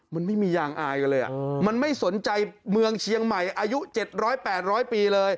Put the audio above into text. มันไม่มียางอายกันเลยมันไม่สนใจเมืองเชียงใหม่อายุ๗๐๐๘๐๐ปีเลย